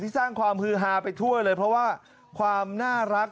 สร้างความฮือฮาไปทั่วเลยเพราะว่าความน่ารัก